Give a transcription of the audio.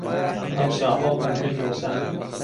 ئەوسا هەڵ ئەگرن گۆچان